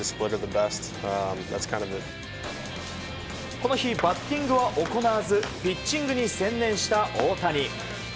この日、バッティングは行わずピッチングに専念した大谷。